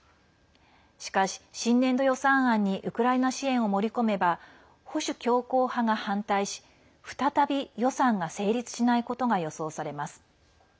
しかし、新年度予算案にウクライナ支援を盛り込めば保守強硬派が反対し再び予算が成立しないことが予想されます。